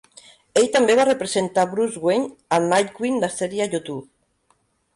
Ell també va representar Bruce Wayne a Nightwing: La sèrie a YouTube.